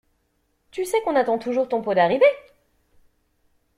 Tu sais qu'on attend toujours ton pot d'arrivée!